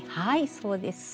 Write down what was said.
そうです。